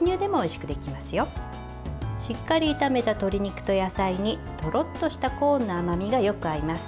しっかり炒めた鶏肉と野菜にとろっとしたコーンの甘みがよく合います。